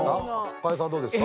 河井さんはどうですか？